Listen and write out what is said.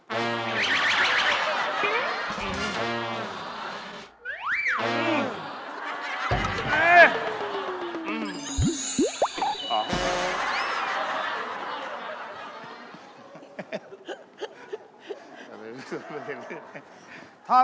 ถอดมงคลครับ